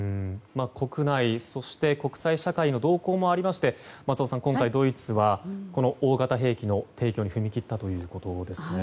国内、そして国際社会の動向もありまして今回、ドイツは大型兵器の提供に踏み切ったということですね。